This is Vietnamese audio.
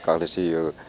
các liệt sĩ